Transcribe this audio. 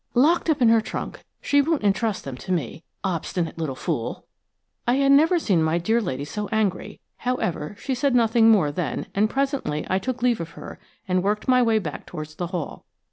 "Locked up in her trunk–she won't entrust them to me. Obstinate little fool." I had never seen my dear lady so angry; however, she said nothing more then, and presently I took leave of her and worked my way back towards the hall.